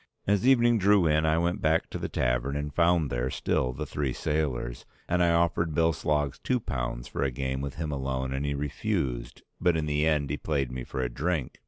As evening drew in I went back to the tavern, and found there still the three sailors. And I offered Bill Sloggs two pounds for a game with him alone and he refused, but in the end he played me for a drink.